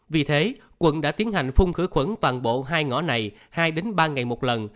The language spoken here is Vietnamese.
vì thế quận đã tiến hành phun khử khuẩn toàn bộ hai ngõ này hai ba ngày một lần